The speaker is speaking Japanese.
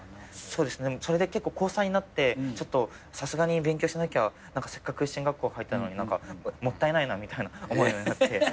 それで高３になってさすがに勉強しなきゃせっかく進学校入ったのにもったいないなみたいな思うようになって。